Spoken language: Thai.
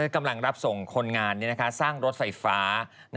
กำลังรับส่งคนงานสร้างรถไฟฟ้า